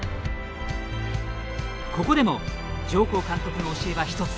ここでも上甲監督の教えは一つ。